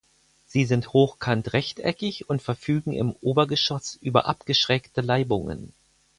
Sie sind hochkant rechteckig und verfügen im Obergeschoss über abgeschrägte Laibungen.